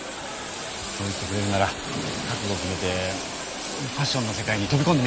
そう言ってくれるなら覚ごを決めてファッションの世界に飛びこんでみようかな。